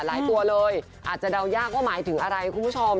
ตัวเลยอาจจะเดายากว่าหมายถึงอะไรคุณผู้ชม